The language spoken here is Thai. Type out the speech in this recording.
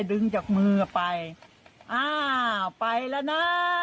ดึงจากมือไปไปแล้วนะ